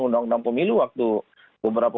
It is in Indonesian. undang undang pemilu waktu beberapa